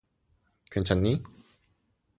괜찮니?